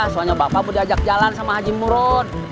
soalnya bapak mau diajak jalan sama haji murud